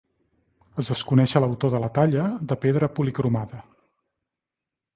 Es desconeix a l'autor de la talla, de pedra policromada.